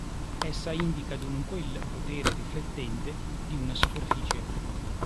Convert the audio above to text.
Essa indica dunque il "potere riflettente" di una superficie.